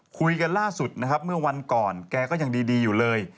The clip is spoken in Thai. คุยกันล่าสุดนะครับเมื่อวันก่อนแกก็ยังดีอยู่เลย